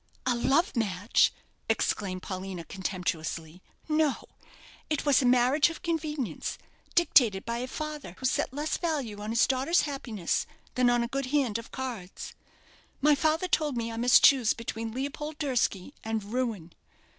"A love match!" exclaimed Paulina, contemptuously. "No; it was a marriage of convenience, dictated by a father who set less value on his daughter's happiness than on a good hand of cards. My father told me I must choose between Leopold Durski and ruin.